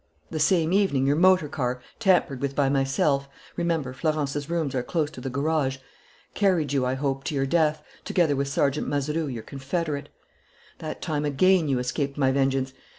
"The same evening your motor car, tampered with by myself remember, Florence's rooms are close to the garage carried you, I hoped, to your death, together with Sergeant Mazeroux, your confederate.... That time again you escaped my vengeance.